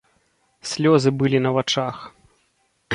Слёзы былі на вачах.